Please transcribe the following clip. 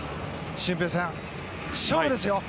俊平さん、勝負ですよ！